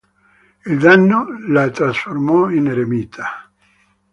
Il danno la trasformò in eremita.